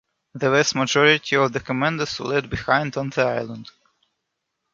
The vast majority of the commandos were left behind on the island.